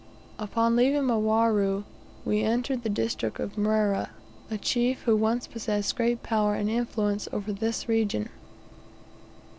Upon leaving Mwaru we entered the district of Mrera, a chief who once possessed great power and influence over this region.